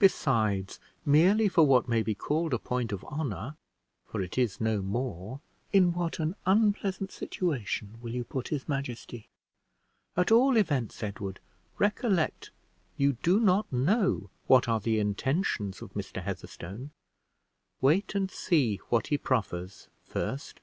Besides, merely for what may be called a point of honor, for it is no more, in what an unpleasant situation will you put his majesty! At all events, Edward, recollect you do not know what are the intentions of Mr. Heatherstone; wait and see what he proffers first."